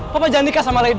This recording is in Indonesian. papa jangan nikah sama lady